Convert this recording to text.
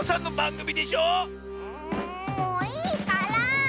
んもういいから。